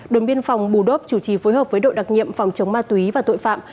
đồn biên phòng bù đốp chủ trì phối hợp với đội đặc nhiệm phòng chống ma túy và tội phạm